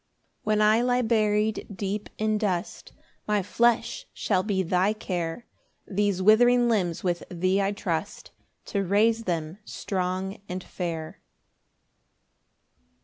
8 When I lie buried deep in dust, My flesh shall be thy care These withering limbs with thee I trust To raise them strong and fair.